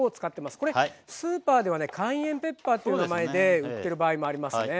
これスーパーではねカイエンペッパーっていう名前で売ってる場合もありますね。